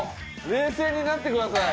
冷静になってください。